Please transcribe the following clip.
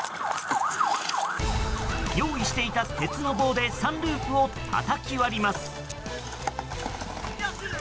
用意していた鉄の棒でサンルーフをたたき割ります。